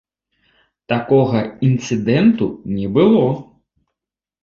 Такога інцыдэнту не было!